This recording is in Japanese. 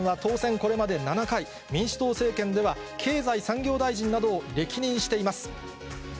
これまで７回、民主党政権では経済産業大臣などを歴任しています。